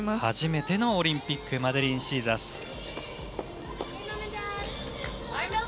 初めてのオリンピックマデリン・シーザス。